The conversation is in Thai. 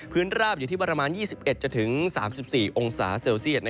ราบอยู่ที่ประมาณ๒๑๓๔องศาเซลเซียต